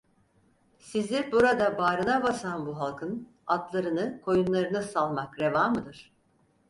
Sizi burada bağrına basan bu halkın, atlarını koyunlarını salmak reva mıdır?